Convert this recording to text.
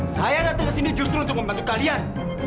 saya datang ke sini justru untuk membantu kalian